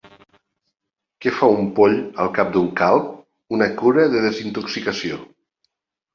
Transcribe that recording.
-Què hi fa un poll, al cap d'un calb? Una cura de desintoxicació.